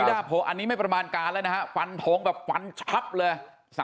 อันนี้ไม่ประมาณการแล้วนะฮะฟันทงแบบฟันชับเลย